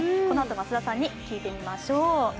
このあと増田さんに聞いてみましょう。